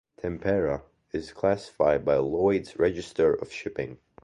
"Tempera" is classified by Lloyd's Register of Shipping.